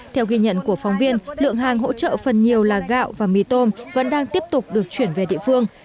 theo ghi nhận của phóng viên lượng hàng hỗ trợ phần nhiều là gạo và mì tôm vẫn đang tiếp tục được chuyển về địa phương